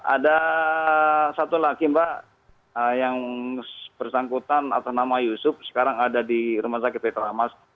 ada satu lagi mbak yang bersangkutan atau nama yusuf sekarang ada di rumah sakit petramas